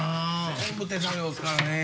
全部手作業ですからね。